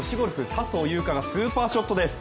笹生優花がスーパーショットです。